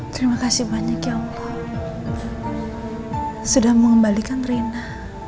terima kasih banyak ya allah sudah mengembalikan rina